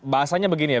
bahasanya begini ya